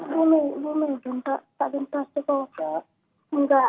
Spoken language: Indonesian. bumi bumi enggak ada permintaan maaf